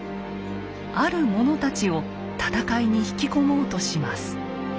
ある者たちを戦いに引き込もうとします。